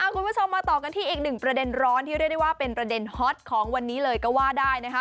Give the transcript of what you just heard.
คุณผู้ชมมาต่อกันที่อีกหนึ่งประเด็นร้อนที่เรียกได้ว่าเป็นประเด็นฮอตของวันนี้เลยก็ว่าได้นะคะ